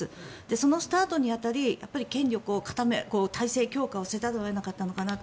そのスタートに当たり権力を固めるための体制強化をしなきゃいけなかったのかなと。